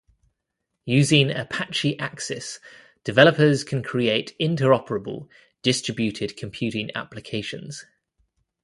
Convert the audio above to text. Using Apache Axis, developers can create interoperable, distributed computing applications.